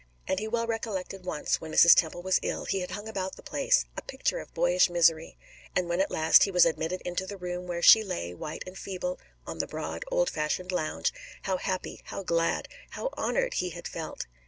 And he well recollected once, when Mrs. Temple was ill, he had hung about the place, a picture of boyish misery; and when at last he was admitted into the room where she lay, white and feeble, on the broad, old fashioned lounge, how happy, how glad, how honored he had felt.